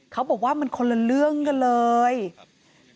เขาบอกว่ามันคนละเรื่องกันเลย